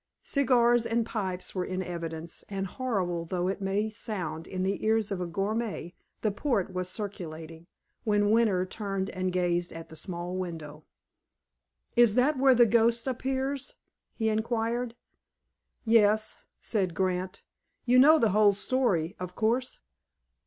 Cigars and pipes were in evidence, and, horrible though it may sound in the ears of a gourmet, the port was circulating, when Winter turned and gazed at the small window. "Is that where the ghost appears!" he inquired. "Yes," said Grant. "You know the whole story, of course?"